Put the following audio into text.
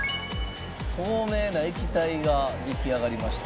透明な液体が出来上がりました。